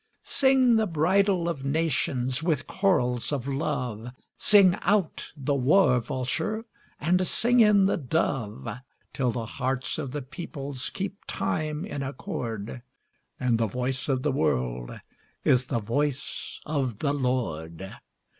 II. Sing the bridal of nations! with chorals of love Sing out the war vulture and sing in the dove, Till the hearts of the peoples keep time in accord, And the voice of the world is the voice of the Lord!